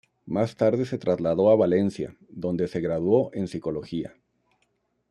Más tarde se trasladó a Valencia, donde se graduó en Psicología.